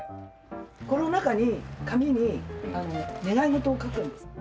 この中に紙に願い事を書くんです。